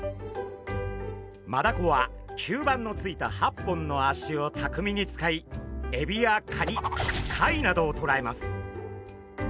マダコは吸盤のついた８本の足をたくみに使いエビやカニ貝などをとらえます。